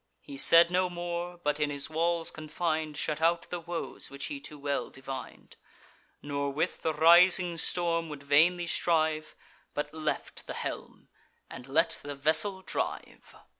He said no more, but, in his walls confin'd, Shut out the woes which he too well divin'd Nor with the rising storm would vainly strive, But left the helm, and let the vessel drive.